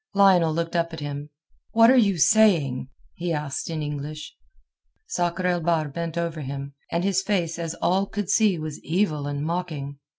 Lionel looked up at him. "What are you saying?" he asked in English. Sakr el Bahr bent over him, and his face as all could see was evil and mocking.